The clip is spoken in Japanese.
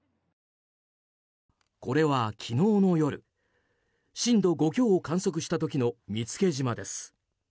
これは昨日の夜震度５強を観測した時の見附島です。